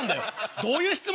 どういう質問？